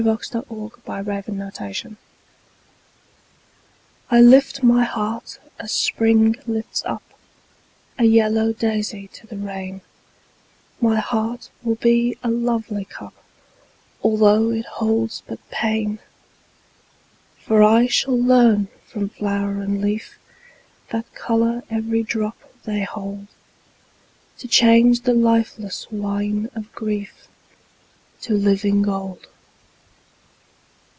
Sara Teasdale (1915) Alchemy I LIFT my heart as spring lifts up A yellow daisy to the rain; My heart will be a lovely cup Altho' it holds but pain. For I shall learn from flower and leaf That color every drop they hold, To change the lifeless wine of grief To living gold.